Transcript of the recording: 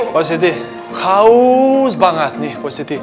pak serikiti haus banget nih pak serikiti